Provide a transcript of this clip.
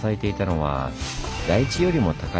はい。